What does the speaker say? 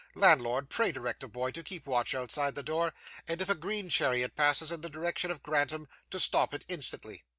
Landlord, pray direct a boy to keep watch outside the door and if a green chariot passes in the direction of Grantham, to stop it instantly.